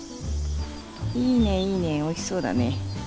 いいねいいねおいしそうだね。